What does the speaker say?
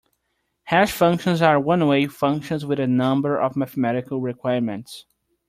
Hash functions are one-way functions with a number of mathematical requirements.